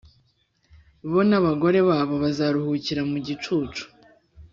bo n’abagore babo bazaruhukira mu gicucu